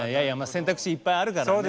選択肢いっぱいあるからね。